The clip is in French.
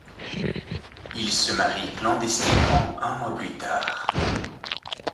Ils se marient clandestinement un mois plus tard.